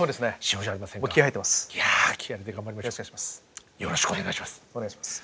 よろしくお願いします。